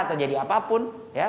atau jadi apapun